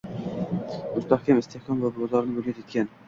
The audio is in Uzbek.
Mustahkam istehkom va bozorni bunyod etgan